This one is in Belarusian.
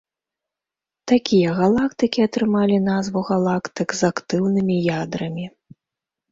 Такія галактыкі атрымалі назву галактык з актыўнымі ядрамі.